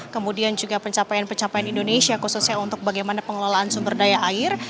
kemudian juga pencapaian pencapaian indonesia khususnya untuk bagaimana pengelolaan sumber daya air